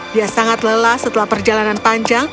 dia sangat lelah setelah perjalanan panjang